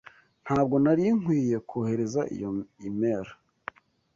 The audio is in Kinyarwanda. Ntabwo nari nkwiye kohereza iyo imeri.